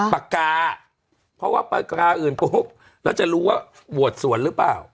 ปากกาเพราะว่าปากกาอื่นปุ๊บแล้วจะรู้ว่าโหวตสวนหรือเปล่า